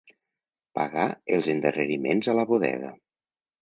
Pagar els endarreriments a la bodega.